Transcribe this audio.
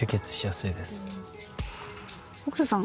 北斗さん